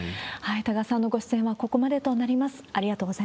多賀さんのご出演はここまでとなります。